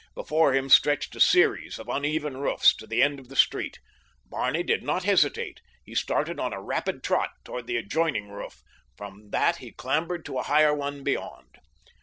Before him stretched a series of uneven roofs to the end of the street. Barney did not hesitate. He started on a rapid trot toward the adjoining roof. From that he clambered to a higher one beyond.